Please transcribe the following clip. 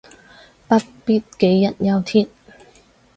不必杞人憂天